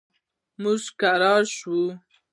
موږ کرار شو.